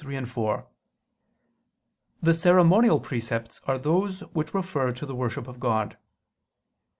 3, 4), the ceremonial precepts are those which refer to the worship of God.